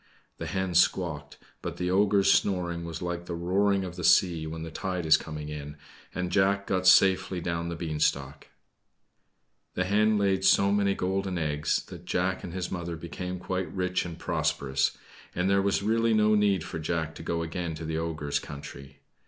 The hen squawked, but the ogre's snoring was like the roaring of the sea when the tide is coming in, and Jack got safely down the beanstalk. The hen laid so many golden eggs that Jack and his mother became quite rich and prosperous; and there was really no need for Jack to go again to the ogre's country.